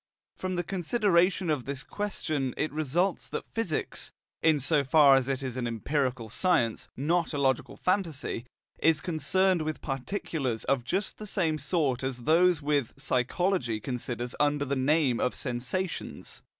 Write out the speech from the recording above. From the consideration of this question it results that physics, in so far as it is an empirical science, not a logical phantasy, is concerned with particulars of just the same sort as those which psychology considers under the name of sensations.